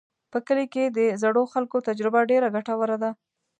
په کلي کې د زړو خلکو تجربه ډېره ګټوره ده.